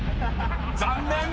［残念！